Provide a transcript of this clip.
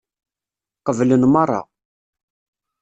Qeblen meṛṛa.